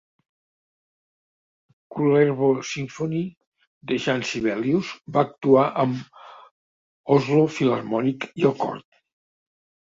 "Kullervo-symfoni" de Jean Sibelius va actuar amb Oslo Philomonic i el cor.